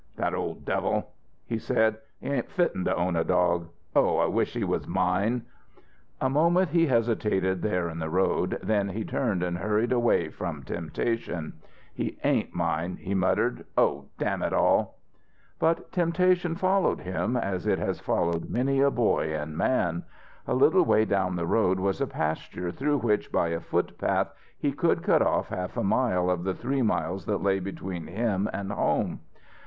"That ol' devil!" he said. "He ain't fitten to own a dog. Oh, I wish he was mine!" A moment he hesitated there in the road, then he turned and hurried away from temptation. "He ain't mine," he muttered. "Oh' dammit all!" But temptation followed him as it has followed many a boy and man. A little way down the road was a pasture through which by a footpath he could cut off half a mile of the three miles that lay between him and home.